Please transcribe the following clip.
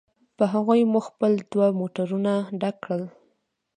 په هغوی مو خپل دوه موټرونه ډک کړل.